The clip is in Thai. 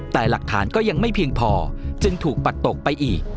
แต่หลักฐานก็ยังไม่เพียงพอจึงถูกปัดตกไปอีก